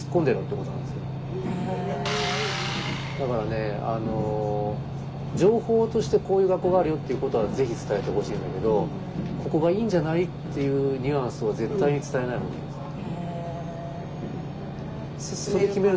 だからね情報としてこういう学校があるよっていうことはぜひ伝えてほしいんだけどここがいいんじゃないっていうニュアンスを絶対に伝えない方がいいです。